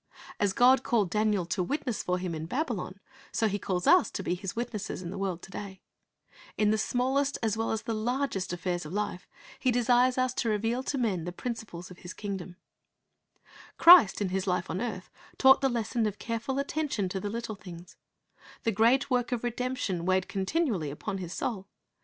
' As God called Daniel to witness for Him in Babylon, so He calls us to be His witnesses in the world to da}'. In the smallest as well as the largest affairs of life He desires us to reveal to men the principles of His kingdom. '/'he man who nccived the one talent 'went and digged in the earth, and hid his lord's money.' " Christ in His life on earth taught the lesson of careful attention to the little things. The great work of redemption weighed continually upon His soul.